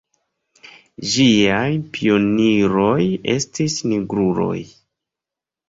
Ĝiaj pioniroj estis nigruloj.